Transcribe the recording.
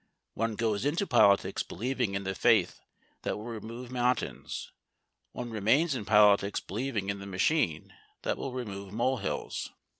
One goes into politics believing in the faith that will remove mountains: one remains in politics believing in the machine that will remove mole hills.